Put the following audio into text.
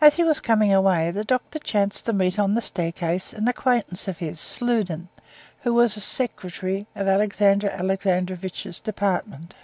As he was coming away, the doctor chanced to meet on the staircase an acquaintance of his, Sludin, who was secretary of Alexey Alexandrovitch's department.